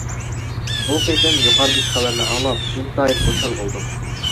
بۇ قېتىم يۇقىرىدىكى خەۋەرنى ئاڭلاپ، ئىنتايىن خۇشال بولدۇم.